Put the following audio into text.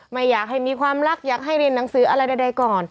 ไม่อยากให้มีความรักอยากให้เรียนหนังสืออะไรใดก่อน